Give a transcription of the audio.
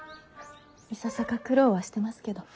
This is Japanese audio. いささか苦労はしてますけど。